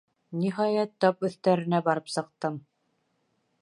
Ниһайәт, тап өҫтәренә барып сыҡтым.